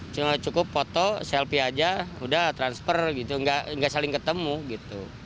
cuma cukup foto selfie aja udah transfer gitu nggak saling ketemu gitu